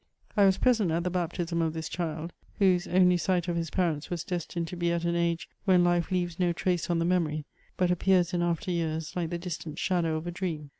I was present at the baptism ci tins child, whose onl j nght of his parents was destined to* be at an age when fife leaves no trace on the memory, bat appears in after years like the distant shadow of a dream.